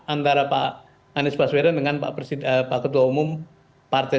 antara pak anies baswedan dengan pak ketua umum partai